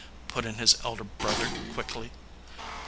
put in his elder brother quickly.